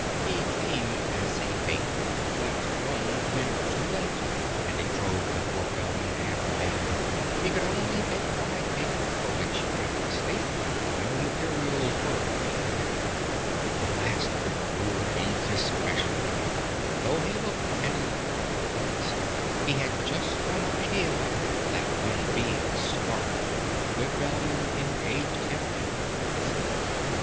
He came as a Baker: but owned, when too late And it drove the poor Bellman half mad He could only bake Bridecake for which, I may state, No materials were to be had. The last of the crew needs especial remark, Though he looked an incredible dunce: He had just one idea but, that one being "Snark," The good Bellman engaged him at once.